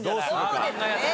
そうですね。